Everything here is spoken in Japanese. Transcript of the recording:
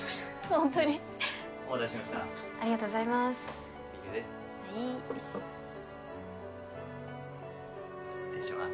ホントにお待たせしましたビールですありがとうございますはい・失礼します